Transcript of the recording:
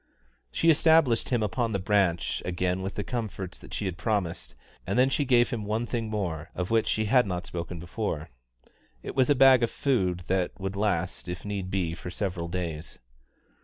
She established him upon the branch again with the comforts that she had promised, and then she gave him one thing more, of which she had not spoken before. It was a bag of food that would last, if need be, for several days.